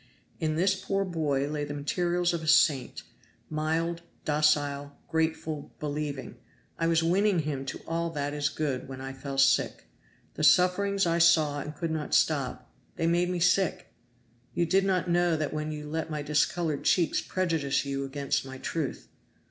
In this poor boy lay the materials of a saint mild, docile, grateful, believing. I was winning him to all that is good when I fell sick. The sufferings I saw and could not stop they made me sick. You did not know that when you let my discolored cheeks prejudice you against my truth.